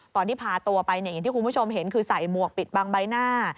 ตอนที่พาตัวไปเนี่ยอย่างที่คุณผู้ชมเห็นคือใส่หมวกปิดบางใบหน้า